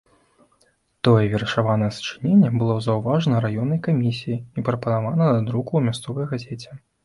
Тое вершаванае сачыненне было заўважана раённай камісіяй і прапанавана да друку ў мясцовай газеце.